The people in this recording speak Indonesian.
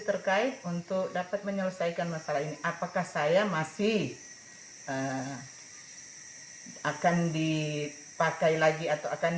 terkait untuk dapat menyelesaikan masalah ini apakah saya masih akan dipakai lagi atau akan